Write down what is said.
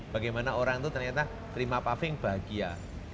bagaimana orang itu ternyata terima paving bahagia